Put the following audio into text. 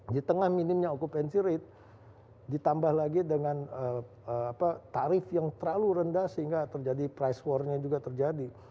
di tengah minimnya okupansi rate ditambah lagi dengan tarif yang terlalu rendah sehingga terjadi price war nya juga terjadi